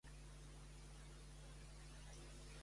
De què culpa Zaragoza al Tribunal Suprem?